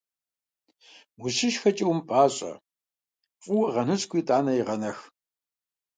УщышхэкӀэ умыпӀащӀэ, фӀыуэ гъэныщкӀуи, итӀанэ егъэнэх.